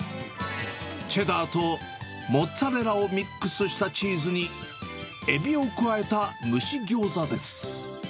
チェダーとモッツァレラをミックスしたチーズに、エビを加えた蒸しギョーザです。